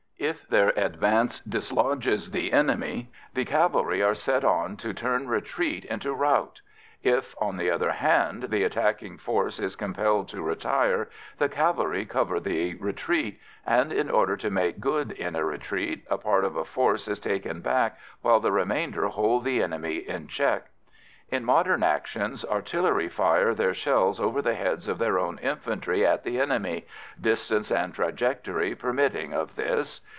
If their advance dislodges the enemy, the cavalry are set on to turn retreat into rout; if, on the other hand, the attacking force is compelled to retire, the cavalry cover the retreat, and, in order to make good in a retreat, a part of a force is taken back while the remainder hold the enemy in check. In modern actions, artillery fire their shells over the heads of their own infantry at the enemy, distance and trajectory permitting of this.